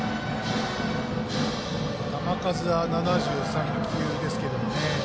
球数は７３球ですけどね。